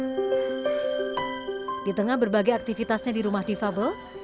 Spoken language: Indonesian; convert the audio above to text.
di tengah berbagai aktivitasnya di rumah divabel tentunya novi juga bagi keluarga komunitas sahabat divabel lainnya